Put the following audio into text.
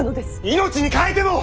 命に代えても。